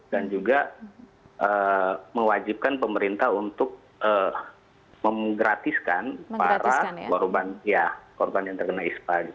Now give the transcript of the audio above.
dan juga mewajibkan pemerintah untuk menggratiskan para korban yang terkena ispa